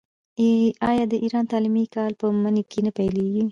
آیا د ایران تعلیمي کال په مني کې نه پیلیږي؟